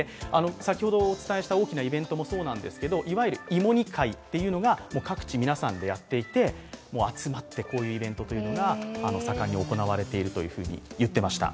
先ほどお伝えした大きなイベントもそうなんですけど、いわゆる芋煮会というのを各地皆さんでやっていて、集まってこういうイベントが盛んに行われていると言っていました。